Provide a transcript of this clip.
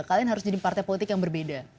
kalian harus jadi partai politik yang berbeda